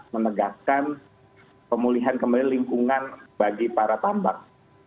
menegakkan pemulihan kembali lingkungan bagi para tambang